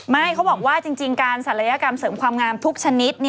เขาบอกว่าจริงการศัลยกรรมเสริมความงามทุกชนิด